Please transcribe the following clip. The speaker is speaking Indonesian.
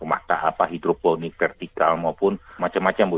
maka hidroponik vertikal maupun macam macam bu